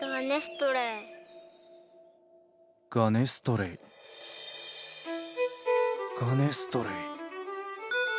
ガネストレイガネストレイ。